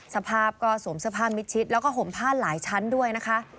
สภาพก็สวมเสื้อผ้ามิดชิดแล้วก็ห่มผ้าหลายชั้นด้วยนะคะ